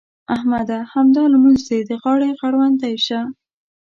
احمده! همدا لمونځ دې د غاړې غړوندی شه.